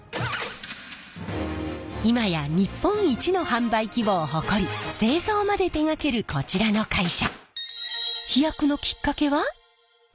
今や日本一の販売規模を誇り製造まで手がけるこちらの会社。